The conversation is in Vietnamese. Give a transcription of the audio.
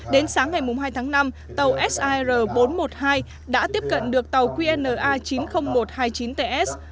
đến sáng ngày hai tháng năm tàu sir bốn trăm một mươi hai đã tiếp cận được tàu qna chín mươi nghìn một trăm hai mươi chín ts